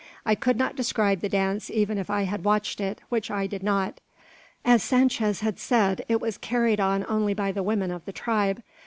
I could not describe the dance even if I had watched it, which I did not. As Sanchez had said, it was carried on only by the women of the tribe.